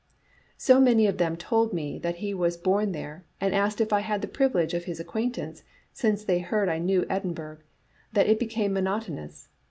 " So many of them told me that he was bom there, and asked if I had the privilege of his acquaintance, since ttey heard I knew Edinburgh, that it became monotonous.